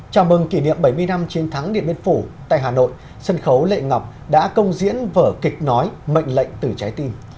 chào mừng kỷ niệm bảy mươi năm chiến thắng điện biên phủ tại hà nội sân khấu lệ ngọc đã công diễn vở kịch nói mệnh lệnh từ trái tim